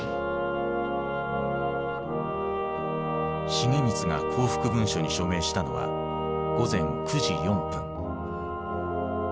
重光が降伏文書に署名したのは午前９時４分。